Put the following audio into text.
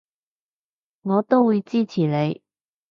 我都會支持你